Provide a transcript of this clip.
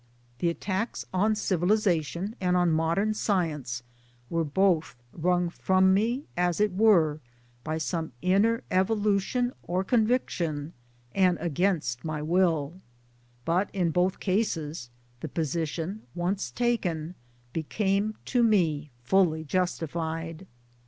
The attacks on Civilization and on Modern Science were both wrung from me, as it were by some inner evolution or conviction and against my will ; but in both cases the position once taken became to me fully justified.